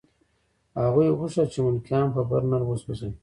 هغوی غوښتل چې ملکیان په برنر وسوځوي